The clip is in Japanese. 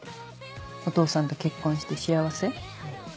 お父さんと結婚して幸せ？